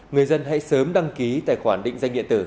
người dân hãy sớm đăng ký tài khoản định danh điện tử